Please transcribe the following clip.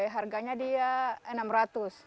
harganya dia rp enam ratus